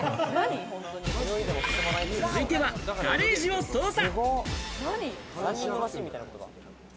続いては、ガレージを捜査。